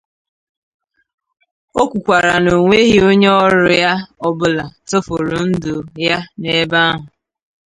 O kwukwara na o nweghị onye ọrụ ya ọbụla tụfùrù ndụ ya n'ebe ahụ.